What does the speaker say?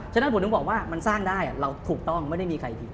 ฉะนั้นผมถึงบอกว่ามันสร้างได้เราถูกต้องไม่ได้มีใครผิด